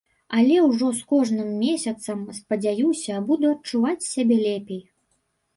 Але ўжо з кожным месяцам, спадзяюся, буду адчуваць сябе лепей.